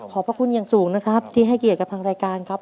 พระคุณอย่างสูงนะครับที่ให้เกียรติกับทางรายการครับ